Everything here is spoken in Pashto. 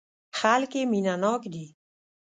خلک يې مينه ناک دي.